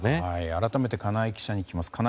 改めて金井記者に聞きます。